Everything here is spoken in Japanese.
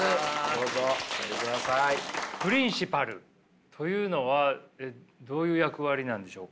プリンシパルというのはどういう役割なんでしょうか。